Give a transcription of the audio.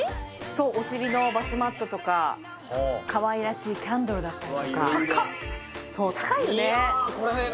そうお尻のバスマットとかかわいらしいキャンドルだったりとかそう高いよねいや